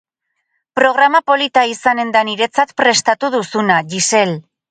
Programa polita izan da niretzat prestatu duzuna, Gisele.